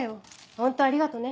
ホントありがとね。